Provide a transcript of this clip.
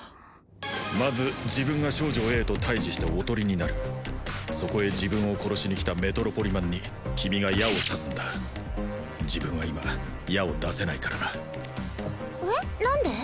まず自分が少女Ａと対峙しておとりになるそこへ自分を殺しに来たメトロポリマンに君が矢を刺すんだ自分は今矢を出せないからなあっえっ何で？